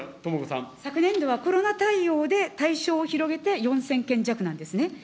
昨年度はコロナ対応で対象を広げて４０００件弱なんですね。